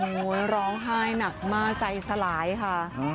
โอ้โหร้องไห้หนักมากใจสลายค่ะ